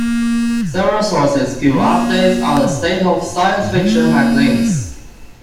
Several sources give updates on the state of science fiction magazines.